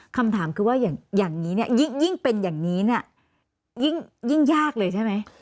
คำถามคือว่าอย่างนี้เนี่ยยิ่งเป็นอย่างนี้เนี่ยยิ่งยากเลยใช่ไหม